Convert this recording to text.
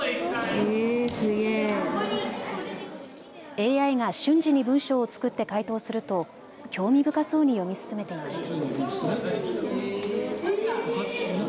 ＡＩが瞬時に文章を作って回答すると興味深そうに読み進めていました。